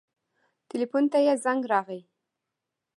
ټېلفون ته يې زنګ راغى.